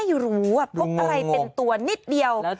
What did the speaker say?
พบอะไรเป็นตัวนิดเดียว